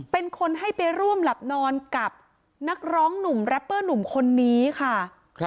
เป็นคนให้ไปร่วมหลับนอนกับนักร้องหนุ่มแรปเปอร์หนุ่มคนนี้ค่ะ